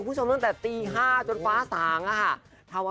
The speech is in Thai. คุณผู้ชมตั้งแต่ตี๕จนฟ้าสางค่ะ